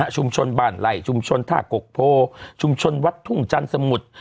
ชุมชนบ้านไหล่ชุมชนท่ากกโพชุมชนวัดทุ่งจันทร์สมุทร